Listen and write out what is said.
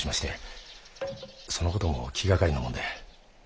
その事も気がかりなもんで。